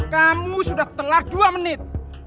kamu sudah telat dua menit